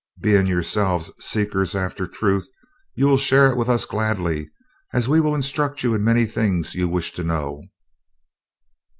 Being yourselves seekers after truth, you will share it with us gladly as we will instruct you in many things you wish to know.